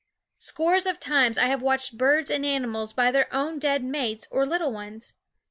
Scores of times I have watched birds and animals by their own dead mates or little ^ ones.